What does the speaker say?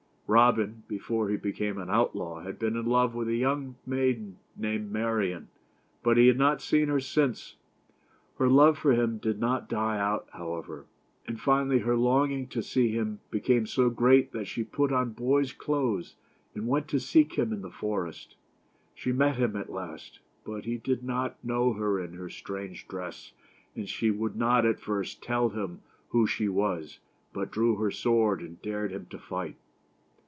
Robin, before he became an outlaw, had been in love with a young maiden named Marian, but he had not seen her / since. Her love for him did not die out, however; and finally her longing to see him became so great that she put on boy's clothes, and went to seek him in 217 THE STORY OF ROBIN HOOD. the forest. She met him at last ; but he did not know her in her strange dress, and she would not, at first, tell him who she was, but drew her sword and dared him to fight.